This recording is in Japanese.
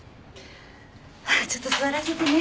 ちょっと座らせてね。